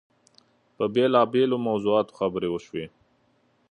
په بېلابېلو موضوعاتو خبرې وشوې.